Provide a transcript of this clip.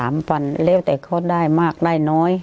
วันแล้วแต่เขาได้มากได้น้อย